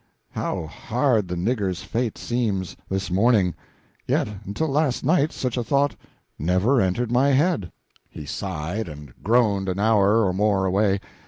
... How hard the nigger's fate seems, this morning! yet until last night such a thought never entered my head." He sighed and groaned an hour or more away.